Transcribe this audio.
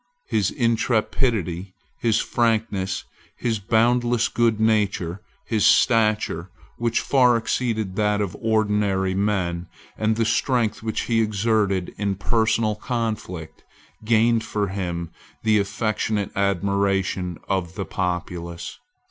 His intrepidity, his frankness, his boundless good nature, his stature, which far exceeded that of ordinary men, and the strength which he exerted in personal conflict, gained for him the affectionate admiration of the populace.